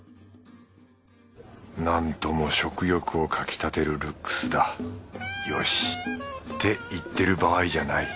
なんとも食欲をかきたてるルックスだよし。って言ってる場合じゃない。